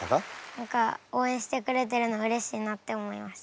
何か応援してくれてるのうれしいなって思いました。